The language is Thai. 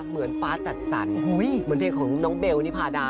เหมือนฟ้าจัดสรรเหมือนเพลงของน้องเบลนิพาดา